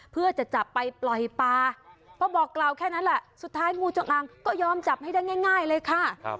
เพื่อจะจับไปปล่อยปลาเพราะบอกกล่าวแค่นั้นแหละสุดท้ายงูจงอางก็ยอมจับให้ได้ง่ายเลยค่ะ